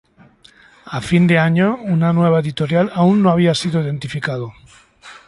A fin de año, una nueva editorial aún no había sido identificado.